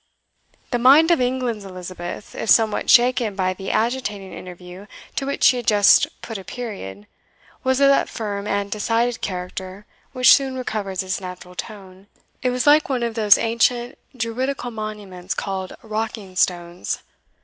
The mind of England's Elizabeth, if somewhat shaken by the agitating interview to which she had just put a period, was of that firm and decided character which soon recovers its natural tone. It was like one of those ancient Druidical monuments called Rocking stones.